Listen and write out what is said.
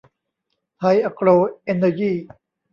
ไทย อะโกร เอ็นเนอร์ยี่